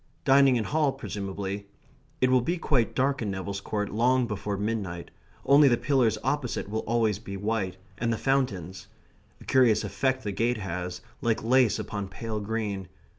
Dining in Hall, presumably. It will be quite dark in Neville's Court long before midnight, only the pillars opposite will always be white, and the fountains. A curious effect the gate has, like lace upon pale green.